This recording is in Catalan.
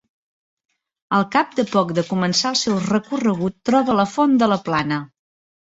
Al cap de poc de començar el seu recorregut troba la Font de la Plana.